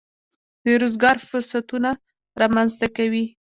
د روزګار فرصتونه رامنځته کوي.